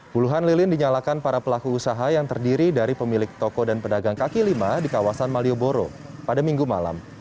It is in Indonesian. puluhan lilin dinyalakan para pelaku usaha yang terdiri dari pemilik toko dan pedagang kaki lima di kawasan malioboro pada minggu malam